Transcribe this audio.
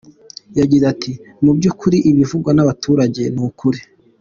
Yagize ati " Mu byukuri, ibivugwa n’abaturage ni ukuri.